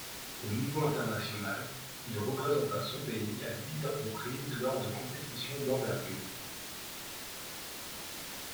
Au niveau international, il représenta son pays à dix reprises lors de compétitions d'envergures.